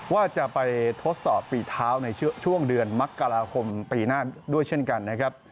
ว่าจะไปทดสอบฝีเท้าในช่วงเดือนมกราคมปีหน้าด้วยเช่นกันนะครับ